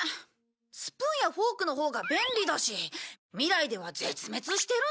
スプーンやフォークのほうが便利だし未来では絶滅してるんじゃない？